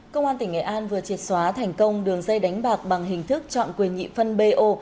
công an tỉnh nghệ an vừa triệt xóa thành công đường dây đánh bạc bằng hình thức chọn quyền nhị phân bo